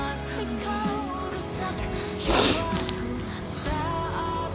sinta itu perlu dihormatkan